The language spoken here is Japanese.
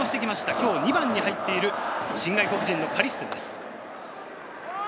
今日、２番に入っている新外国人のカリステです。